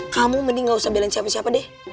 kamu mending gak usah belain siapa siapa deh